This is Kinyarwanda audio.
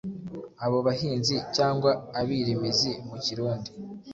Abo bahinzi cyangwa abirimizi mu Kirundi